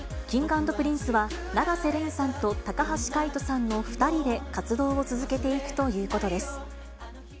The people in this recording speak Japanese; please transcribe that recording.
Ｋｉｎｇ＆Ｐｒｉｎｃｅは、永瀬廉さんと高橋海人さんの２人で活動を続けていくということです。